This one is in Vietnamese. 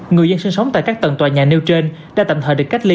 người dân sinh sống tại các tầng tòa nhà nêu trên đã tạm thời được cách ly